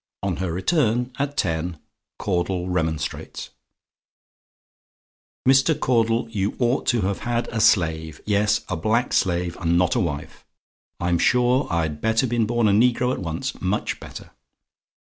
ON HER RETURN, AT TEN, CAUDLE REMONSTRATES "Mr. Caudle, you ought to have had a slave yes, a black slave, and not a wife. I'm sure, I'd better been born a negro at once much better.